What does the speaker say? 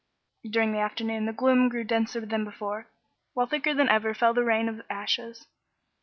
During the afternoon the gloom grew denser than before, while thicker than ever fell the rain of ashes.